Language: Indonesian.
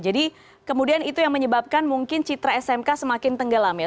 jadi kemudian itu yang menyebabkan mungkin citra smk semakin tenggelam ya